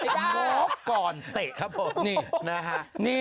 โหมกป่อนตะครับผม